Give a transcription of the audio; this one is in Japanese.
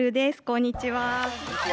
こんにちは。